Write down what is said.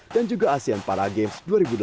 dan juga asean para games dua ribu delapan belas